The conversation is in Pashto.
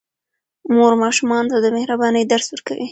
مور ماشومانو ته د مهربانۍ درس ورکوي.